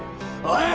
おい！